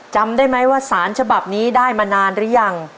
จำได้ไหมว่าสารฉบับนี้ได้มานานหรือยัง